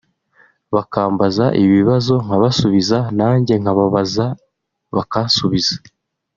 bakambaza ibibazo nkabasubiza nanjye nkababaza bakansubiza